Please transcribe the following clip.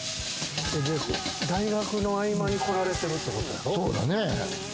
大学の合間に来られてるってことや。